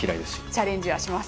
チャレンジはします。